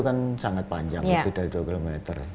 itu kan sangat panjang lebih dari dua km